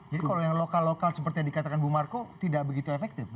jadi kalau yang lokal lokal seperti yang dikatakan bu marco tidak begitu efektif